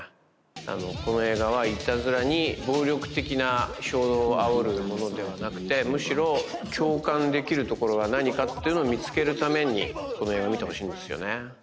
この映画はいたずらに暴力的な衝動をあおる物ではなくてむしろ共感できるところはなにかっていうのを見つけるためにこの映画を見てほしいんですよね